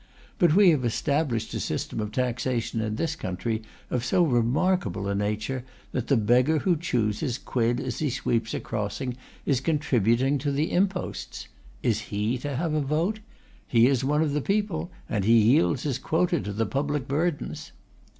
But we have established a system of taxation in this country of so remarkable a nature, that the beggar who chews his quid as he sweeps a crossing, is contributing to the imposts! Is he to have a vote? He is one of the people, and he yields his quota to the public burthens.